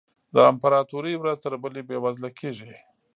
د امپراتوري ورځ تر بلې بېوزله کېږي.